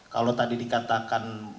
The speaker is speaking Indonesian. kalau tadi dikatakan